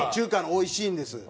おいしいんです。